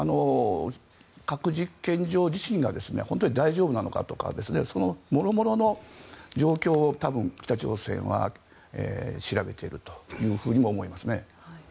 核実験場地震が本当に大丈夫なのかとかそのもろもろの状況を多分、北朝鮮は調べているとも思いますね。